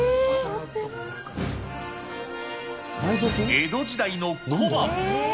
江戸時代の小判。